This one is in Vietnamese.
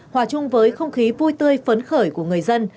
hòa chung với không khí vui tươi phấn khởi của người dân